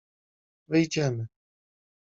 — Wyjdziemy.